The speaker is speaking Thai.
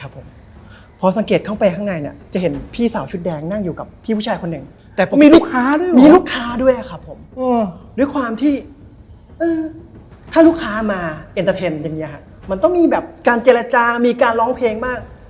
ผมก็เลยด้วยความเป็นเด็กใหม่